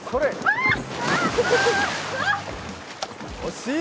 惜しい！